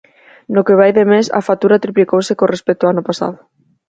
No que vai de mes, a factura triplicouse con respecto ao ano pasado.